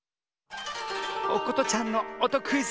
おことちゃんのおとクイズ